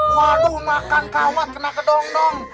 waduh makan kawat kenapa dong